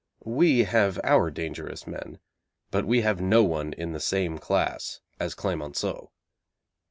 We have our dangerous men, but we have no one in the same class as Clemenceau.